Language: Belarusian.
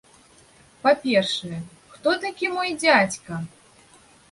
Па-першае, хто такі мой дзядзька?